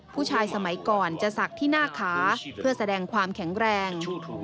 สมัยก่อนจะศักดิ์ที่หน้าขาเพื่อแสดงความแข็งแรง